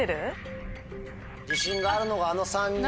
自信があるのがあの３人。